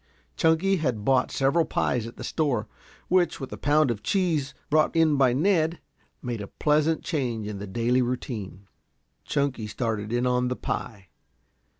Chunky had bought several pies at the store, which, with a pound of cheese brought in by Ned, made a pleasant change in the daily routine. Chunky started in on the pie.